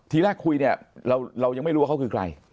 ทีแรกคุยเนี่ยเรายังไม่รู้ว่าเขาคือใคร